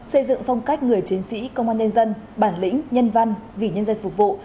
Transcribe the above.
xây dựng phong cách người chiến sĩ công an nhân dân bản lĩnh nhân văn vì nhân dân phục vụ